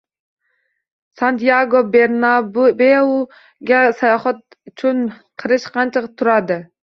“Santyago Bernabeu”ga sayohat uchun qirish qancha turadi?